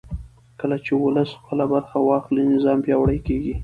کله چې ولس خپله برخه واخلي نظام پیاوړی کېږي